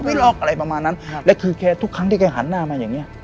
หรอกอะไรประมาณนั้นครับแล้วคือแกทุกครั้งที่แกหันหน้ามาอย่างเงี้